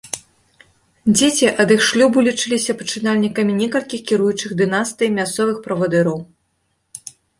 Дзеці ад іх шлюбу лічыліся пачынальнікамі некалькіх кіруючых дынастый мясцовых правадыроў.